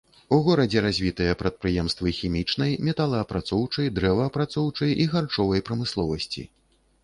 У горадзе развітыя прадпрыемствы хімічнай, металаапрацоўчай, дрэваапрацоўчай і харчовай прамысловасці.